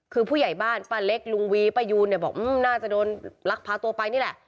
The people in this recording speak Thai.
คือผู้ใหญ่บ้านป้าเล็กลุงวีป้ายูนเนี่ยบอกน่าจะโดนลักพาตัวไปนี่แหละ